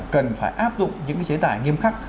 cần phải áp dụng những cái chế tải nghiêm khắc